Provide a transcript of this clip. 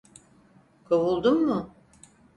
Kovuldum mu?